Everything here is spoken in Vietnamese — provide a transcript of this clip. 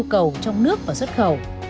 cung cấp cho nhu cầu trong nước và xuất khẩu